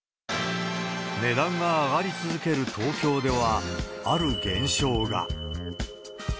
値段が上がり続ける東京では、ある現象が。